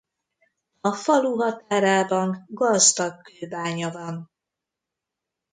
A falu határában gazdag kőbánya van.